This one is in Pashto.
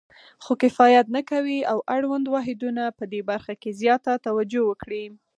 خو کفایت نه کوي او اړوند واحدونه پدې برخه کې زیاته توجه وکړي.